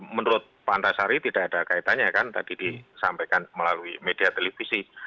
menurut pak antasari tidak ada kaitannya kan tadi disampaikan melalui media televisi